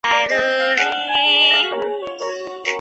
硫氰酸钯可由硝酸钯或氯化钯和硫氰酸铵溶液反应得到。